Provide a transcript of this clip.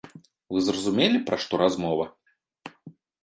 Вы зразумелі, пра што размова?